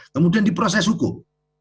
kemudian diproses hukum